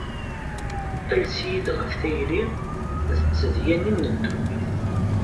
Ales-iyi-d ɣef tayri, d tedyanin n dunnit.